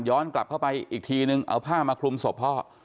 กลับเข้าไปอีกทีนึงเอาผ้ามาคลุมศพพ่อ